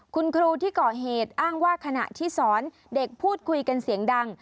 คุณครูที่ก่อเหตุอ้างว่าขณะที่สอนเด็กพูดคุยกันเสียงดัง